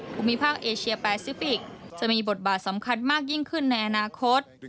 ภูมิภาคเอเชียแปซิฟิกจะมีบทบาทสำคัญมากยิ่งขึ้นในอนาคต